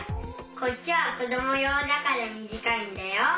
こっちはこどもようだからみじかいんだよ。